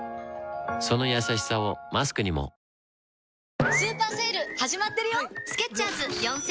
そのやさしさをマスクにも続いては。